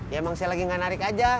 ya emang saya lagi gak narik aja